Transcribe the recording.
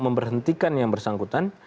memperhentikan yang bersangkutan